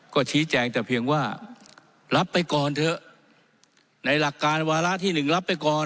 ก็ชี้แจงแต่เพียงว่ารับไปก่อนเถอะในหลักการวาระที่หนึ่งรับไปก่อน